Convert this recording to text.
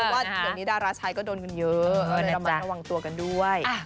ว่าเดี๋ยวนี้ดาราชายก็โดนกันเยอะระมัดระวังตัวกันด้วย